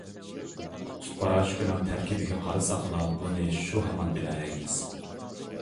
سۈت پاراشوكىنىڭ تەركىبىگە قارىساقلا بۇنى شۇ ھامان بىلەلەيمىز.